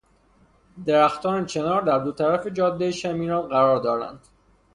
درختان چنار در دو طرف جادهی شمیران قرار دارند.